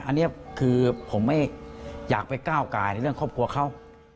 อันนี้คือผมไม่อยากไปก้าวกายในเรื่องครอบครัวเขา